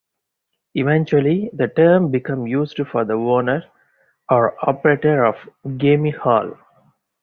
Eventually, the term became used for the owner, or operator of a gaming hall.